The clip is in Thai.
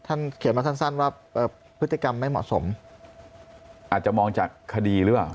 เขียนมาสั้นว่าพฤติกรรมไม่เหมาะสมอาจจะมองจากคดีหรือเปล่า